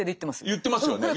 言ってますよね。